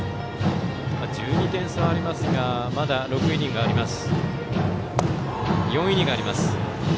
１２点差がありますがまだ４イニングあります。